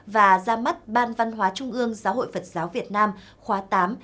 và ra mắt ban văn hóa trung ương giáo hội phật giáo việt nam khóa tám hai nghìn một mươi bảy hai nghìn hai mươi hai